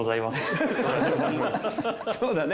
そうだね。